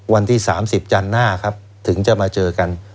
วันที่๓๐จันทร์หน้าครับถึงจะมาเจอกัน